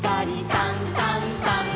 「さんさんさん」